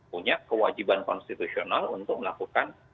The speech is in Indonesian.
punya kewajiban konstitusional untuk melakukan